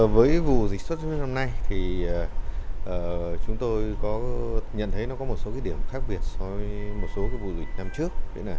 với vụ dịch sốt xuất huyết năm nay chúng tôi nhận thấy nó có một số điểm khác biệt so với một số vụ dịch năm trước